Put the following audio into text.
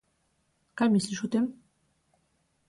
Kaj misliš o tem?